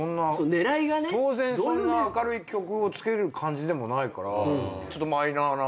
当然そんな明るい曲をつける感じでもないからちょっとマイナーな。